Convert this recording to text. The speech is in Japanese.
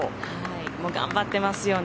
もう頑張ってますよね。